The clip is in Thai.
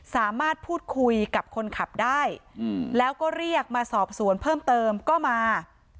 สามารถพูดคุยกับคนขับได้แล้วก็เรียกมาสอบสวนเพิ่มเติมก็มา